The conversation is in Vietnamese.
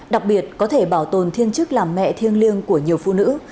đặc biệt có thể bảo tồn thiên chức làm mẹ thiêng liêng của nhiều phụ nữ